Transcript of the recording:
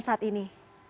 dan saat ini